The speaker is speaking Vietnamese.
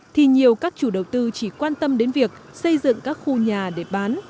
thì nhiều các chủ đầu tư chỉ quan tâm đến việc xây dựng các khu nhà để bán